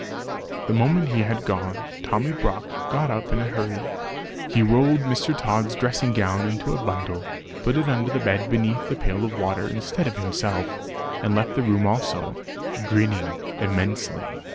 The moment he had gone, Tommy Brock got up in a hurry; he rolled Mr. Tod's dressing gown into a bundle, put it into the bed beneath the pail of water instead of himself, and left the room also grinning immensely.